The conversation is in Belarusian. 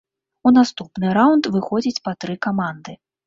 У наступны раўнд выходзяць па тры каманды.